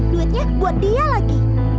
duitnya buat dia lagi